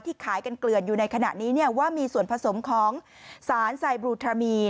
ขายกันเกลือนอยู่ในขณะนี้ว่ามีส่วนผสมของสารไซบลูทรามี